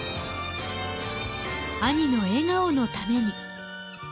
兄の笑顔のために。